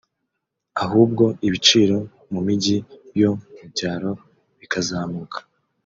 ahubwo ibiciro mu mijyi yo mu byaro bikazamuka